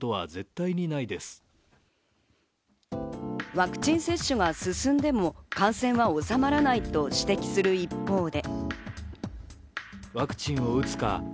ワクチン接種が進んでも、感染は収まらないと指摘する一方で。